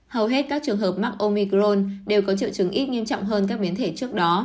hầu hết các trường hợp mắc omicron đều có triệu chứng ít nghiêm trọng hơn